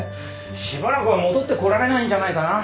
しばらくは戻ってこられないんじゃないかな。